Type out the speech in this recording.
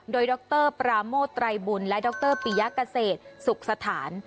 โดยดรปราโมทไตรบุญและดรปิยะเกษตรสุขสถาน